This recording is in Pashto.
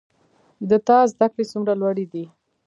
د تا زده کړي څومره لوړي دي